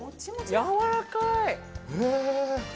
やわらかい。